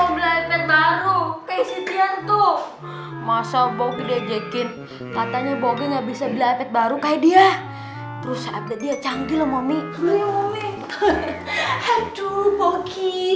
baru kayak dia terus dia canggih lom mami